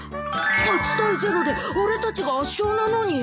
８対０で俺たちが圧勝なのに。